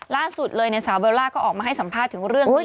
ล่าสุดเลยเนี่ยสาวเบลล่าก็ออกมาให้สัมภาษณ์ถึงเรื่องนี้